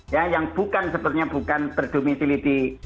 ya yang bukan sepertinya bukan berdomestik